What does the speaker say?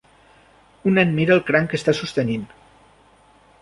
Un nen mira el cranc que està sostenint